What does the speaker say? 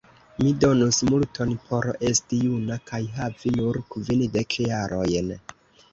Mi donus multon por esti juna kaj havi nur kvindek jarojn.